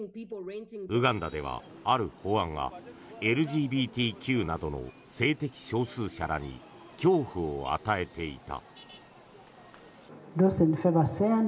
ウガンダでは、ある法案がＬＧＢＴＱなどの性的少数者らに恐怖を与えていた。